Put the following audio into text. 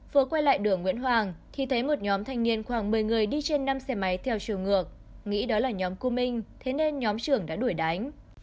vừa quay lại đường nguyễn hoàng thì thấy một nhóm thanh niên khoảng một mươi người đi trên năm xe máy theo chiều ngược nghĩ đó là nhóm cư minh thế nên nhóm trưởng đã đuổi đánh